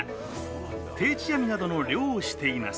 定置網などの漁をしています。